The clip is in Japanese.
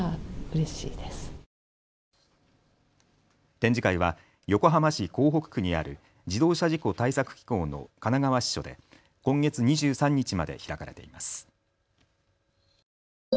展示会は横浜市港北区にある自動車事故対策機構の神奈川支所で今月２３日まで開かれています。